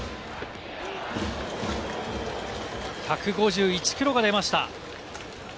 １５１キロが出ました。